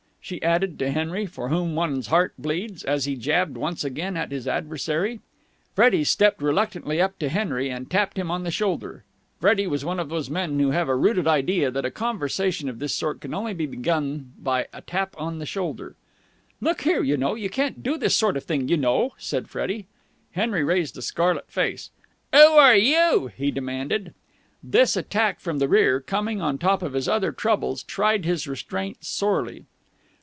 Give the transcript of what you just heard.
she added to Henry (for whom one's heart bleeds), as he jabbed once again at his adversary. Freddie stepped reluctantly up to Henry, and tapped him on the shoulder. Freddie was one of those men who have a rooted idea that a conversation of this sort can only be begun by a tap on the shoulder. "'Look here, you know, you can't do this sort of thing, you know!" said Freddie. Henry raised a scarlet face. "'Oo are you?" he demanded. This attack from the rear, coming on top of his other troubles, tried his restraint sorely.